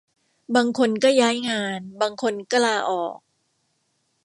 บางคนก็ย้ายงาน บางคนก็ลาออก